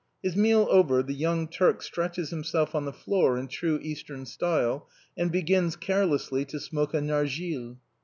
His meal over, the young Turk stretches himself on the floor in true Eastern style, and begins carelessly to smoke a narghilé.